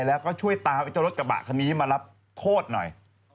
แล้วก็ช่วยตามไอ้เจ้ารถกระบะคันนี้มารับโทษหน่อย